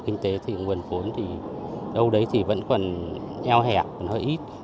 kinh tế thì nguồn vốn thì đâu đấy thì vẫn còn eo hẹp còn hơi ít